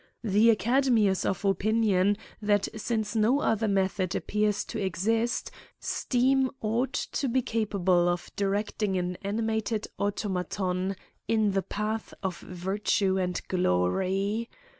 The Academy is of opinion THE ACADEMY OF SILLOGRAPHS. 27 that since no other method appears to exist, steam ought to be capable of directing an animated automaton in the paths of virtue and glory.